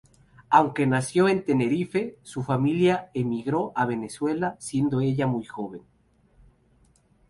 Aunque nació en Tenerife, su familia emigró a Venezuela siendo ella muy joven.